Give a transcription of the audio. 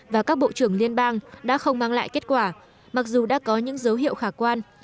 và các bộ trưởng liên bang đã không mang lại kết quả mặc dù đã có những dấu hiệu khả quan